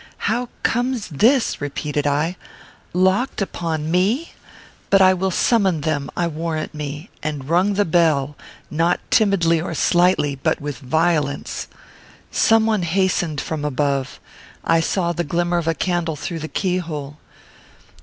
"How comes this?" repeated I. "Locked upon me! but I will summon them, I warrant me," and rung the bell, not timidly or slightly, but with violence. Some one hastened from above. I saw the glimmer of a candle through the keyhole.